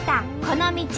この道